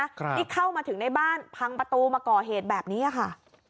ครับนี่เข้ามาถึงในบ้านพังประตูมาก่อเหตุแบบนี้อ่ะค่ะ